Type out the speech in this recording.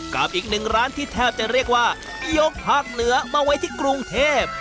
กับอีกหนึ่งร้านที่แทบจะเรียกว่ายกภาคเหนือมาไว้ที่กรุงเทพ